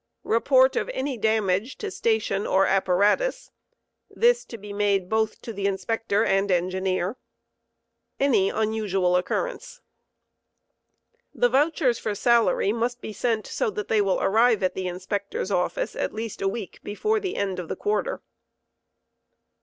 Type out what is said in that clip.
Report of any damage to station or apparatus (this to be made both to the Inspector and Engineer). Any unusual occurrence. The vouchers for salary must be so sent that they will arrive at the Inspector's Office at.least a week before the end of the quarter.